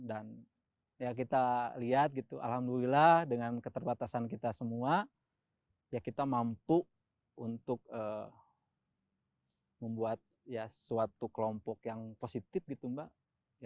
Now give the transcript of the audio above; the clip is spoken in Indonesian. dan kita lihat alhamdulillah dengan keterbatasan kita semua kita mampu untuk membuat suatu kelompok yang positif gitu mbak